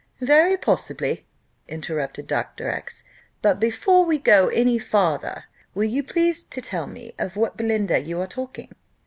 "Very possibly!" interrupted Dr. X . "But before we go any farther, will you please to tell me of what Belinda you are talking?"